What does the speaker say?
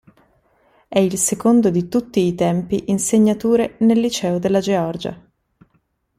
È il secondo di tutti i tempi in segnature nel liceo della Georgia.